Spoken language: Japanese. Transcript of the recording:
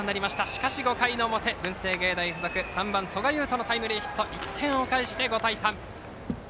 しかし５回の表、文星芸大付属３番、曽我雄斗のタイムリーヒットで１点を返して５対３。